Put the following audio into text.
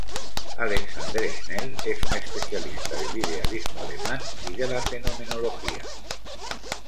Alexander Schnell es un especialista del idealismo alemán y de la fenomenología.